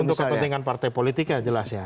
untuk kepentingan partai politik ya jelas ya